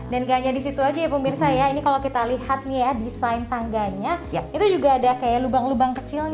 dan nggak hanya di situ aja ya pemirsa ya ini kalau kita lihat nih ya desain tangganya itu juga ada kayak lubang lubang kecilnya